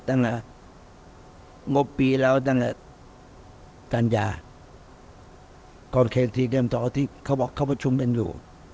ตั้งแต่มุมปีแล้วตั้งแต่สัญญาคนเคยทีเกมต่อที่เขาบอกเข้าประชุมเป็นอยู่